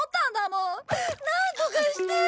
なんとかしてよ！